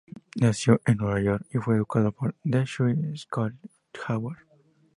Nació en Nueva York y fue educado en The Hill School y Harvard.